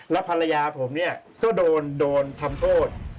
แล้วภรรยาผมก็โดนโดนทำโทษ